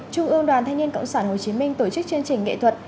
trung ương đoàn thanh niên cộng sản hồ chí minh tổ chức chương trình nghệ thuật